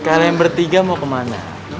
kalian bertiga mau kemana